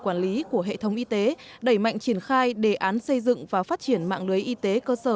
quản lý của hệ thống y tế đẩy mạnh triển khai đề án xây dựng và phát triển mạng lưới y tế cơ sở